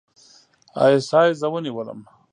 اى ايس اى زه ونیولم.